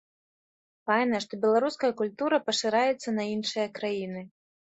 Файна, што беларуская культура пашыраецца на іншыя краіны.